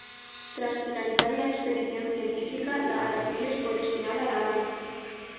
Tras finalizar la expedición científica, la "Arapiles" fue destinada a La Habana.